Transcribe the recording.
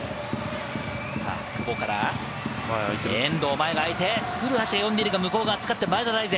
久保から遠藤、前が空いて、古橋が呼んでいるが、向こう側を使って前田大然。